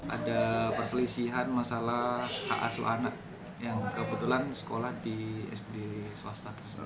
ada perselisihan masalah hak asu anak yang kebetulan sekolah di sd swasta